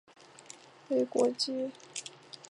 为国际游泳总会和亚洲游泳总会的会员国。